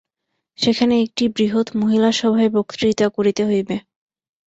সেখানে একটি বৃহৎ মহিলাসভায় বক্তৃতা করিতে হইবে।